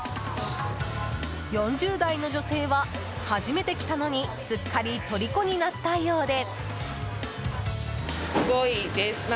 ４０代の女性は、初めて来たのにすっかりとりこになったようで。